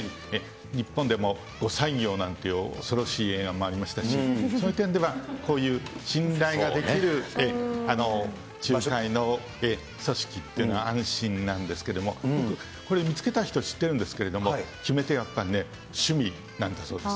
日本でも後妻業なんていう恐ろしい映画もありましたし、そういう点では、こういう信頼ができる入会の、組織っていうのは安心なんですけども、僕、これ見つけた人知ってるんですけれども、決め手はやっぱりね、趣味なんだそうです。